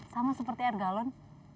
sama seperti air galon